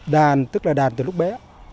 đàn tức là đàn từ lúc bé